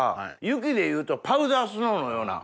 雪で言うとパウダースノーのような。